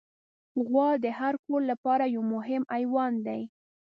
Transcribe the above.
غوا د هر کور لپاره یو مهم حیوان دی.